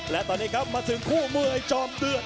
และตอนนี้ครับมาถึงคู่มวยจอมเดือด